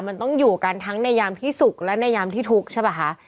มันต้องอยู่กันทั้งในยามที่สุขและในยามที่ทุกข์ใช่ป่ะคะ